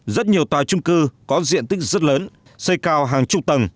rất nhiều tòa trung cư có diện tích rất lớn xây cao hàng chục tầng